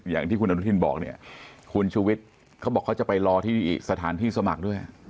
อย่างที่คุณอาจารย์บอกคุณชุวิทเขาบอกเขาจะไปรอที่สถานพิธีสมัครด้วย